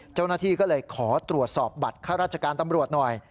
เจ้าหน้าที่ก็เลยขอตรวจสอบบัตรข้าราชการตำรวจหน่อย